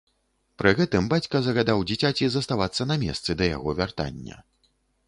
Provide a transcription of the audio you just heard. Пры гэтым бацька загадаў дзіцяці заставацца на месцы да яго вяртання.